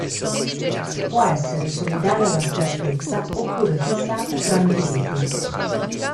Può essere solidale alla scarpetta oppure fissata tramite viti.